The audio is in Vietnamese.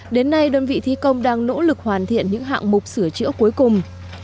đến nay đơn vị thi công đang nỗ lực hoàn thiện những hạng mục sửa chữa cuối cùng